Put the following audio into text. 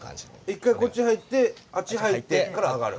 １回こっち入ってあっち入ってから上がる。